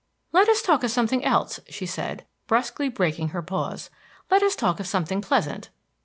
"Let us talk of something else," she said, brusquely breaking her pause; "let us talk of something pleasant."